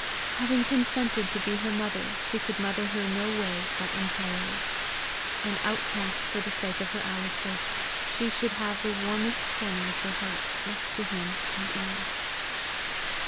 Having consented to be her mother, she could mother her no way but entirely. An outcast for the sake of her Alister, she should have the warmest corner of her heart next to him and Ian!